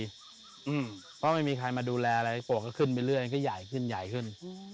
เพราะไม่มีใครมาดูแลอะไรปวกก็ขึ้นไปเรื่อยก็ใหญ่ขึ้นใหญ่ขึ้น